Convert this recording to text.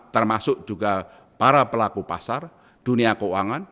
termasuk juga para pelaku pasar dunia keuangan